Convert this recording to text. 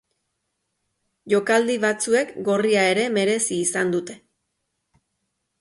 Jokaldi batzuek gorria ere merezi izan dute.